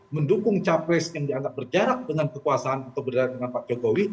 mendukung capres yang dianggap berjarak dengan kekuasaan atau berdarah dengan pak jokowi